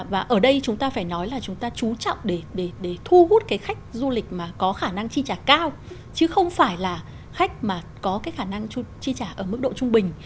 và ở đây chúng ta phải nói là chúng ta chú trọng để thu hút cái khách du lịch mà có khả năng chi trả cao chứ không phải là khách mà có cái khả năng chi trả ở mức độ trung bình